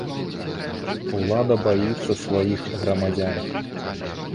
Улада баіцца сваіх грамадзян!